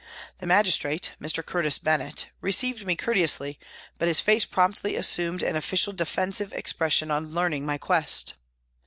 The magis trate, Mr. Curtis Bennett,* received me courteously, but his face promptly assumed an official defensive expression on learning my quest.